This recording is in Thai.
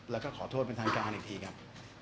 แล้วก็ขอโทษเป็นทางการอีกทีครับ